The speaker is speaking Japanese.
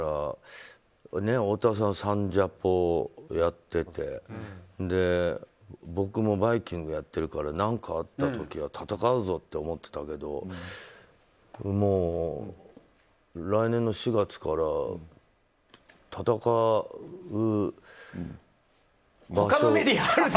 太田さん「サンジャポ」やってて僕も「バイキング」やってるから何かあった時は戦うぞって思ってたけどもう、来年の４月から戦う場が。